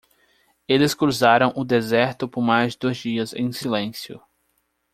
Eles cruzaram o deserto por mais dois dias em silêncio.